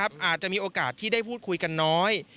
อาจจะมีโอกาสที่ได้พูดคุยกันน้อย